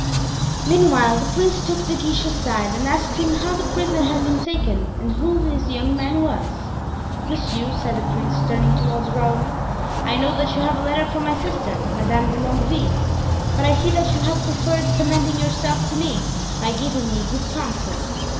Meanwhile the prince took De Guiche aside and asked him how the prisoner had been taken and who this young man was. "Monsieur," said the prince, turning toward Raoul, "I know that you have a letter from my sister, Madame de Longueville; but I see that you have preferred commending yourself to me by giving me good counsel."